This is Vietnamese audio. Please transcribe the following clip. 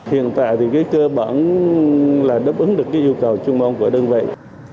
hiện tại thì cái cơ bản là đáp ứng được cái yêu cầu trung môn của đơn vị